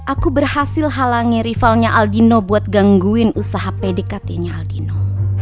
aku berhasil halangi rivalnya aldino buat gangguin usaha pdkt nya aldino